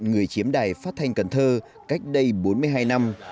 người chiếm đài phát thanh cần thơ cách đây bốn mươi hai năm